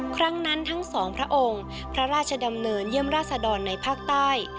ครั้งนั้นทั้งสองพระองค์พระราชดำเนินเยี่ยมราชดรในภาคใต้